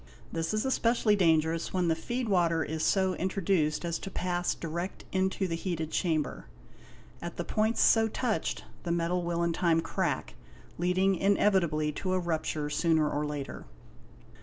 This is especially dangerous when the feed water is so introduced as to" pass direct into the heated chamber; at the points so touched the _ metal will in time crack, leading inevitably to a rupture sooner or later.